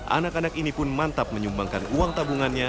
anak anak ini pun mantap menyumbangkan uang tabungannya